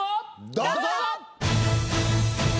どうぞ！